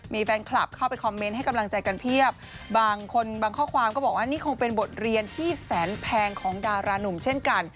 มีแฟนคลับเข้าไปคอมเมนต์ให้กำลังใจกันเพียบบางคนบางข้อความก็บอกว่านี่คงเป็นบทเรียนที่แสนแพงของดารานุ่มเช่นกัน